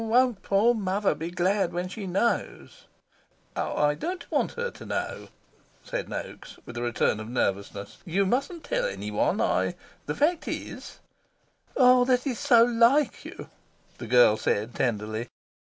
"Oh, won't poor Mother be glad when she knows!" "I don't want her to know," said Noaks, with a return of nervousness. "You mustn't tell any one. I the fact is " "Ah, that is so like you!" the girl said tenderly.